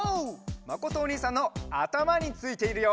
まことおにいさんのあたまについているよ。